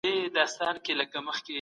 هغوی د مطالعې ذوق ژوندی ساتلی دی.